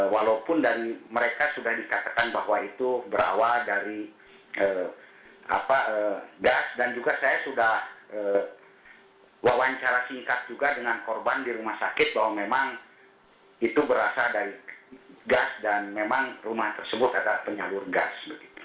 walaupun dari mereka sudah dikatakan bahwa itu berawal dari gas dan juga saya sudah wawancara singkat juga dengan korban di rumah sakit bahwa memang itu berasal dari gas dan memang rumah tersebut adalah penyalur gas